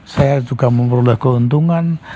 saya juga memperoleh keuntungan